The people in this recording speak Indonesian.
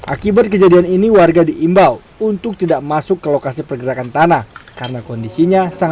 akibat kejadian ini warga diimbau untuk tidak masuk ke lokasi pergerakan tanah karena kondisinya